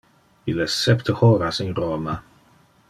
Il es septe horas in Roma.